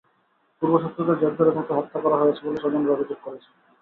পূর্বশত্রুতার জের ধরে তাঁকে হত্যা করা হয়েছে বলে স্বজনেরা অভিযোগ করেছেন।